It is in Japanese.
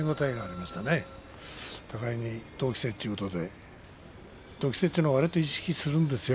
互いに同期生ということで同期生というのはね互いに意識するんですよ。